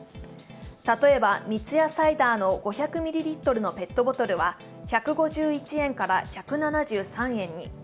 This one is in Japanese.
例えば三ツ矢サイダーの５００ミリリットルのペットボトルは１５１円から１７３円に。